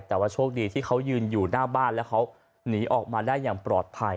แต่ว่าโชคดีที่เขายืนอยู่หน้าบ้านแล้วเขาหนีออกมาได้อย่างปลอดภัย